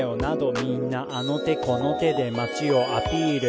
「みんなあの手この手で街をアピール」